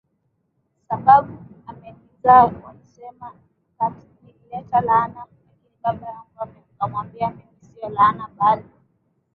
sababu amenizaa walisema nilileta laana lakini baba yangu akawaambia mimi sio laana bali